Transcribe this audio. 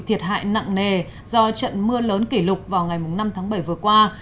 thiệt hại nặng nề do trận mưa lớn kỷ lục vào ngày năm tháng bảy vừa qua